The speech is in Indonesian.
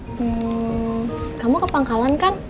hmm kamu ke pangkalan kan